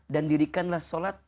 dan dirikanlah sholat